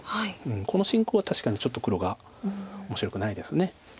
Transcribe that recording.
この進行は確かにちょっと黒が面白くないです。